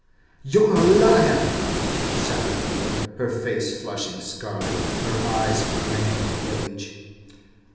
'You're a liar!' shouted the other, her face flushing scarlet, her eyes aflame with rage.